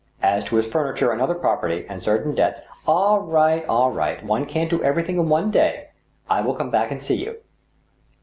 As to his furniture and other property, and certain de*bts —"" All right — all right I One can't do everything in one day. I will come back and see you."